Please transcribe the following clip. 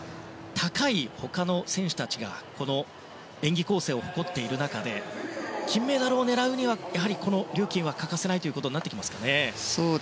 他の選手たちが高い演技構成を誇る中で金メダルを狙うにはやはり、リューキンは欠かせないということになってきますかね。